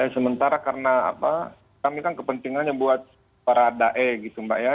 sementara karena kami kan kepentingannya buat para dae gitu mbak ya